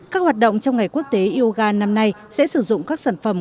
các hoạt động trong ngày quốc tế yoga năm nay sẽ sử dụng các sản phẩm